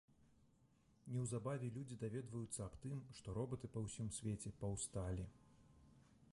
Неўзабаве людзі даведваюцца аб тым, што робаты па ўсім свеце паўсталі.